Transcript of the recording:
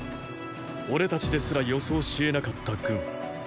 俺たちですら予想しえなかった軍。